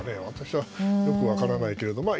私はよく分からないけど。